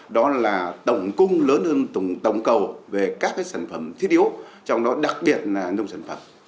đó là tổng cung lớn hơn tổng cầu về các sản phẩm thiết yếu trong đó đặc biệt là nông sản phẩm